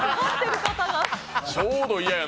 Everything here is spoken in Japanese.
ちょうど嫌やな。